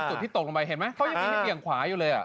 ไอ้จุดที่ตกลงไปเห็นมั้ยเขายังเหลี่ยงขวาอยู่เลย